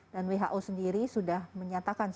dan who sendiri sudah menyatakan